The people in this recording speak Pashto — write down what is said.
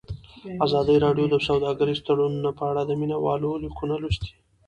ازادي راډیو د سوداګریز تړونونه په اړه د مینه والو لیکونه لوستي.